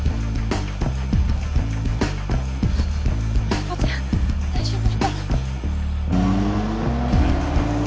理子ちゃん大丈夫。